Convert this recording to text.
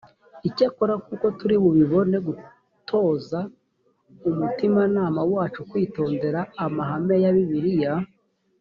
icyakora nk’uko turi bubibone gutoza umutimanama wacu kwitondera amahame ya bibiliya